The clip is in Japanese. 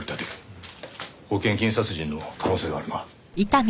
保険金殺人の可能性があるな。